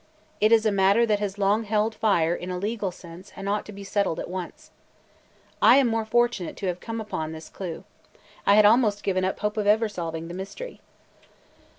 It is a matter that has long held fire in a legal sense and ought to be settled at once. I am more than fortunate to have come upon this clue. I had almost given up hope of ever solving the mystery.